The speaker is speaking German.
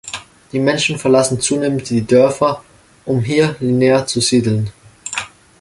Die Menschen verlassen zunehmend die Dörfer, um hier linear zu siedeln.